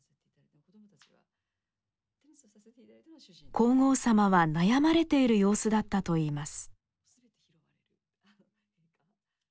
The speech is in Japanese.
皇后さまは悩まれている様子だったといいます。